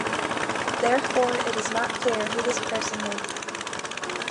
Therefore, it is not clear who this person may be.